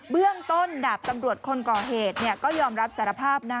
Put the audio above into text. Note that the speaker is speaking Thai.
เบื้องต้นดาบตำรวจคนก่อเหตุก็ยอมรับสารภาพนะ